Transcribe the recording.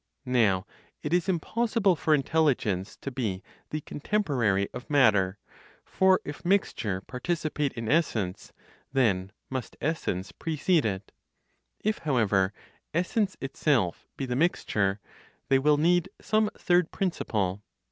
Now it is impossible for intelligence to be the contemporary of matter, for if mixture participate in essence, then must essence precede it; if, however, essence itself be the mixture, they will need some third principle.